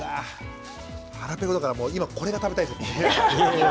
腹ぺこだから今もうこれが食べたいです。